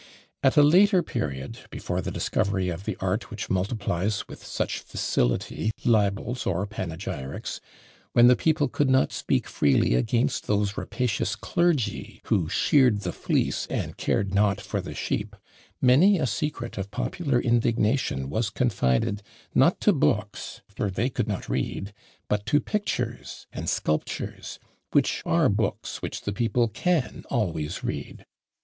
At a later period, before the discovery of the art which multiplies with such facility libels or panegyrics, when the people could not speak freely against those rapacious clergy who sheared the fleece and cared not for the sheep, many a secret of popular indignation was confided not to books (for they could not read), but to pictures and sculptures, which are books which the people can always read.